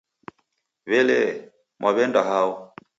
W'elee, Mwaw'enda hao?